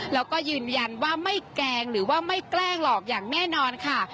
แล้วก็ยืนยันว่าไม่แกล้งหรือว่าไม่แกล้งหลอกอย่างแน่นอนค่ะ